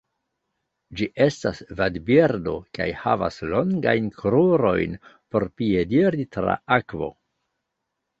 Ĝi estas vadbirdo kaj havas longajn krurojn por piediri tra akvo.